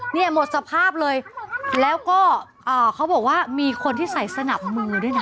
เนี่ยหมดสภาพเลยแล้วก็เขาบอกว่ามีคนที่ใส่สนับมือด้วยนะ